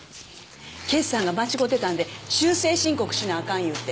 決算が間違うてたんで修正申告しなあかんいうて。